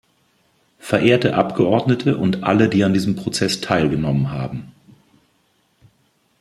Verehrte Abgeordnete und alle, die an diesem Prozess teilgenommen haben!